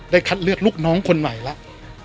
คัดเลือกลูกน้องคนใหม่แล้ว